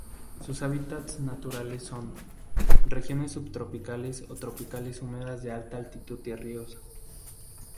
Sus hábitats naturales son: regiones subtropicales o tropicales húmedas de alta altitud y ríos.